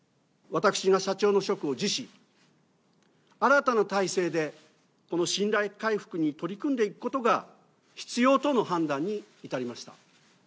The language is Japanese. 私が社長の職を辞し、新たな体制で、この信頼回復に取り組んでいくことが必要との判断に至りました。